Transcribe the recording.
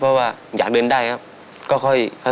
เพราะว่าอยากเดินได้ครับ